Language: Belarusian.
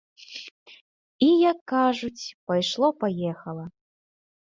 І, як кажуць, пайшло-паехала.